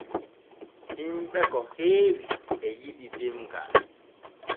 Hinɓe ko heewi e yiɗi demgal.